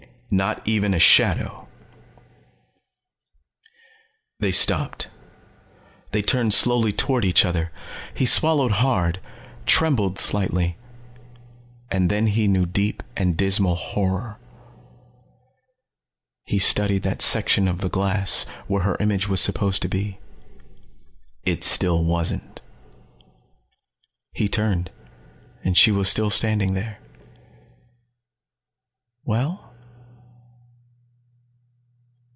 Not even a shadow._ They stopped. They turned slowly toward each other. He swallowed hard, trembled slightly. And then he knew deep and dismal horror. He studied that section of glass where her image was supposed to be. It still wasn't. He turned. And she was still standing there. "Well?"